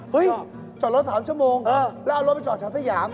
จอดรถ๓ชั่วโมงแล้วเอารถไปจอดแถวสยาม